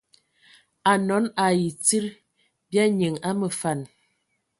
Anɔn ai tsid bya nyiŋ a məfan.